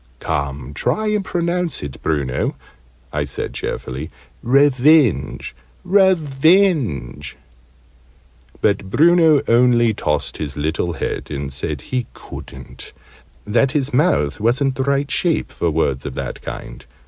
"Come! Try and pronounce it, Bruno!" I said, cheerfully. "Re venge, re venge." But Bruno only tossed his little head, and said he couldn't; that his mouth wasn't the right shape for words of that kind.